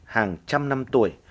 hàng trăm năm tuổi